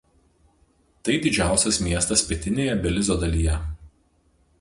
Tai didžiausias miestas pietinėje Belizo dalyje.